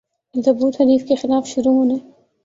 ضبوط حریف کے خلاف شروع ہونے